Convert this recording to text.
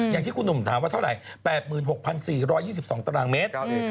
อย่างที่คุณหนุ่มถามว่าเท่าไหร่๘๖๔๒๒ตารางเมตร